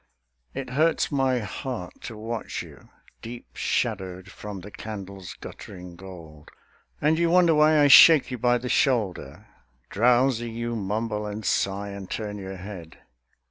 It hurts my heart to watch you, Deep shadow'd from the candle's guttering gold; And you wonder why I shake you by the shoulder; Drowsy, you mumble and sigh and turn your head.